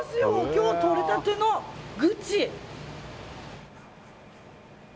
今日とれたてのグチ。